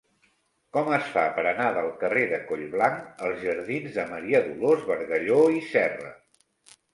Com es fa per anar del carrer de Collblanc als jardins de Maria Dolors Bargalló i Serra?